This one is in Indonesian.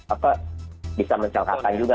apa bisa mencelakakan juga